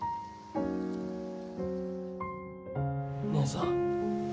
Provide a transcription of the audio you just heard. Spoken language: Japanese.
義姉さん。